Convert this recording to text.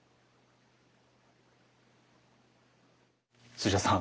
土田さん